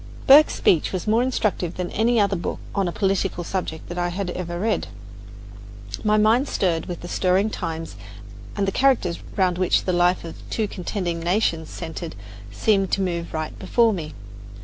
Burke's speech was more instructive than any other book on a political subject that I had ever read. My mind stirred with the stirring times, and the characters round which the life of two contending nations centred seemed to move right before me.